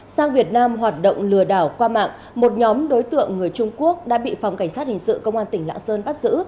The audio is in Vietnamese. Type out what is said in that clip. sang việt nam hoạt động lừa đảo qua mạng một nhóm đối tượng người trung quốc đã bị phòng cảnh sát hình sự công an tỉnh lạng sơn bắt giữ